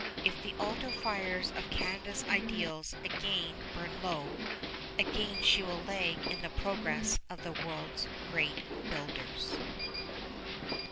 If the altar fires of Canada's ideals again burn low, again she will lag in the progress of the world's great builders.